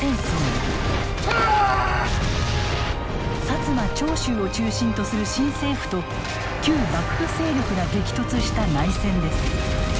摩・長州を中心とする新政府と旧幕府勢力が激突した内戦です。